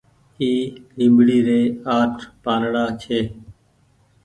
اي ليبڙي ري آٺ پآنڙآ ڇي۔